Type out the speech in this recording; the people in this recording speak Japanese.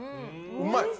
うまい。